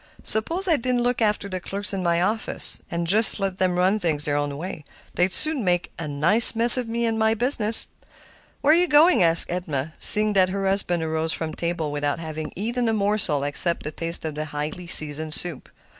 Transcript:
Suppose I didn't look after the clerks in my office, just let them run things their own way; they'd soon make a nice mess of me and my business." "Where are you going?" asked Edna, seeing that her husband arose from table without having eaten a morsel except a taste of the highly seasoned soup.